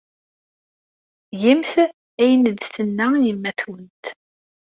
Gemt ayen ay d-tenna yemma-twent.